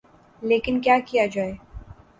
لیکن کیا کیا جائے۔